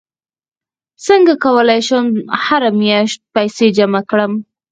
څنګه کولی شم هره میاشت پیسې جمع کړم